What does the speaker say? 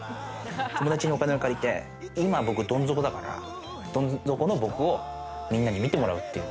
友達にお金を借りて、今僕どん底だから、どん底の僕をみんなに見てもらうって。